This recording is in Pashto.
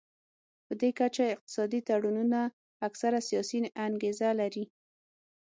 پدې کچه اقتصادي تړونونه اکثره سیاسي انګیزه لري